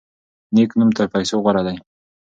نیک نوم تر پیسو غوره دی.